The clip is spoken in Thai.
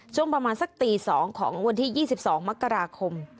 ช่วงประมาณสักตี๒ของวันที่๒๒มกราคม